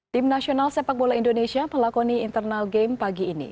tim nasional sepak bola indonesia melakoni internal game pagi ini